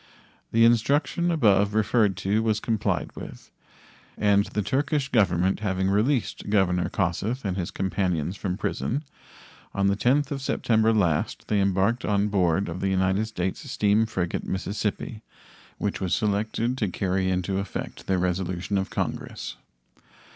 The instruction above referred to was complied with, and the Turkish Government having released Governor Kossuth and his companions from prison, on the 10th of September last they embarked on board of the United States steam frigate Mississippi, which was selected to carry into effect the resolution of Congress.